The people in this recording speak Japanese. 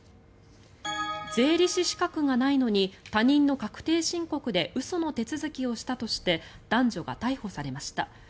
税理士資格がないのに他人の確定申告で嘘の手続きをしたとして男女が逮捕されました。